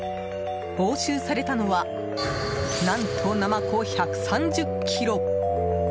押収されたのは何と、ナマコ１３０ｋｇ。